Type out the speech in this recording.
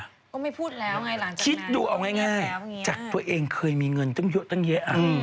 ก็ไม่พูดแล้วไงหลังจากคิดดูเอาง่ายจากตัวเองเคยมีเงินตั้งเยอะตั้งเยอะ